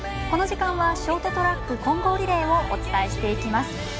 この時間はショートトラック混合リレーをお伝えしていきます。